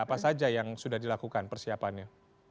apa saja yang sudah dilakukan persiapannya